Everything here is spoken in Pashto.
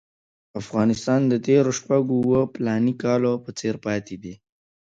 افغانستان د تېرو شپږو اوو فلاني کالو په څېر پاتې دی.